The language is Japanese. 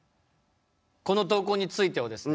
この投稿についてはですね